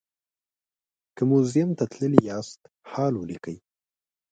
که موزیم ته تللي یاست حال ولیکئ.